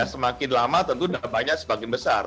semakin lama tentu dampaknya semakin besar